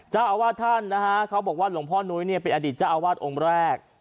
เจ้าอาวาสท่านนะฮะเขาบอกว่าหลวงพ่อนุ้ยเนี่ยเป็นอดีตเจ้าอาวาสองค์แรก